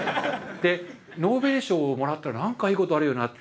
でノーベル賞をもらったら何かいいことあるよなって。